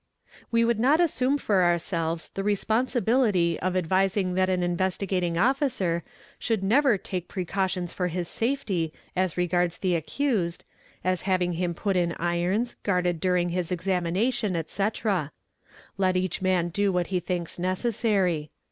a We would not assume for ourselves the responsibility of advising that an Investigating Officer should never take precautions for his safety as regards the accused, as having him put in irons, guarded during his examination, &e.; let each man do what he thinks necessary.